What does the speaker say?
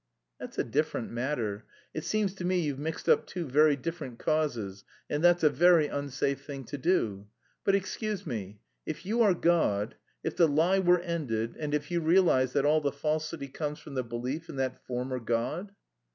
"That's a different matter. It seems to me you've mixed up two different causes, and that's a very unsafe thing to do. But excuse me, if you are God? If the lie were ended and if you realised that all the falsity comes from the belief in that former God?"